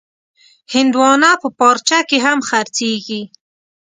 هندوانه په پارچه کې هم خرڅېږي.